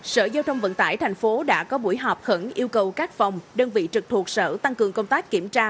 sở giao thông vận tải tp hcm đã có buổi họp khẩn yêu cầu các phòng đơn vị trực thuộc sở tăng cường công tác kiểm tra